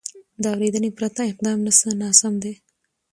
د اورېدنې پرته اقدام ناسم دی.